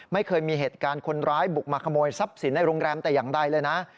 ไม่เคยมีเหตุการณ์คนร้ายบุกมาขโมยทรัพย์สินในโรงแรมแต่อย่างใดเลยนะ